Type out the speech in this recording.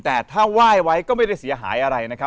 แต่ถ้าไหว้ไว้ก็ไม่ได้เสียหายอะไรนะครับ